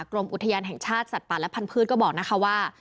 กรมอุทยานแห่งชาติสัตว์ป่าและพันธุ์ก็บอกนะคะว่า